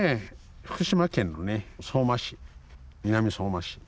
福島県のね相馬市南相馬市